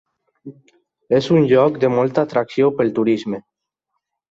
És un lloc de molta atracció pel turisme.